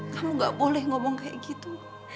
kamu gak boleh ngomong kayak gitu